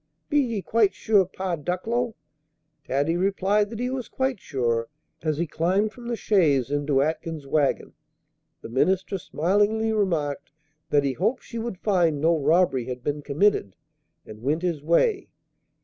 Be ye quite sure yer Pa Ducklow " Taddy replied that he was quite sure, as he climbed from the chaise into Atkins's wagon. The minister smilingly remarked that he hoped she would find no robbery had been committed, and went his way.